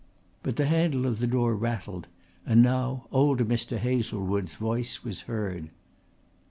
But the handle of the door rattled and now old Mr. Hazlewood's voice was heard.